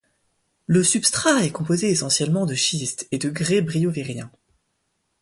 Le substrat est composé essentiellement de schistes et de grès briovériens.